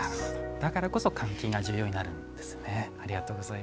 だからこそ換気が必要なんですね。